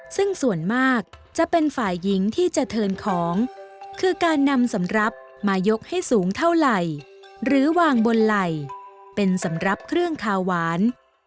ซึ่งส่วนมากจะเป็นฝ่ายหญิงที่จะเทินของคือการนำสำรับมายกให้สูงเท่าไหร่หรือวางบนไหล่เป็นสำหรับเครื่องคาหวาน